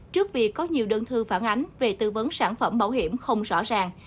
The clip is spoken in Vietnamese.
trước việc có nhiều đơn thư phản ánh về tư vấn sản phẩm bảo hiểm không rõ ràng